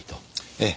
ええ。